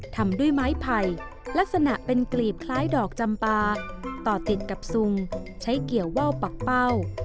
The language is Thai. ทำด้วยไม้ไผ่ลักษณะเป็นกลีบคล้ายดอกจำปาต่อติดกับซุงใช้เกี่ยวว่าวปักเป้า